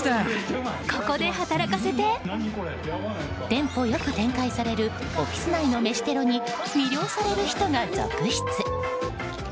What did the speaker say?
テンポ良く展開されるオフィス内の飯テロに魅了される人が続出。